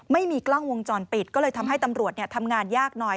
ไม่มีกล้องวงจรปิดก็เลยทำให้ตำรวจทำงานยากหน่อย